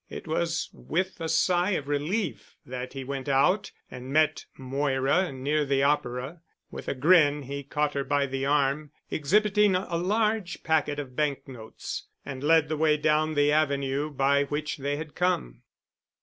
It was with a sigh of relief that he went out and met Moira near the Opera. With a grin he caught her by the arm, exhibiting a large packet of bank notes, and led the way down the avenue by which they had come.